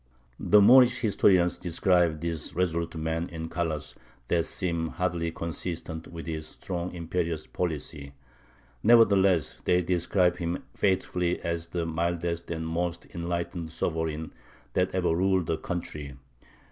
The Moorish historians describe this resolute man in colours that seem hardly consistent with his strong imperious policy: nevertheless, they describe him faithfully as "the mildest and most enlightened sovereign that ever ruled a country.